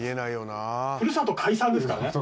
ふるさと解散ですからね。